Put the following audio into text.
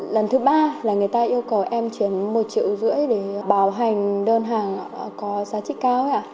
lần thứ ba là người ta yêu cầu em chuyển một triệu rưỡi để bảo hành đơn hàng có giá trích cao